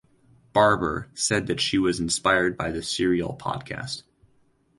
Barber said that she was inspired by the Serial podcast.